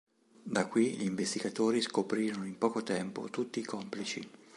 Da qui gli investigatori scoprirono in poco tempo tutti i complici.